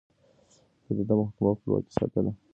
ده د محکمو خپلواکي ساتله.